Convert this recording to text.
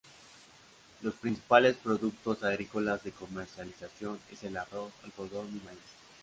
Los principales productos agrícolas de comercialización es el arroz, algodón y maíz.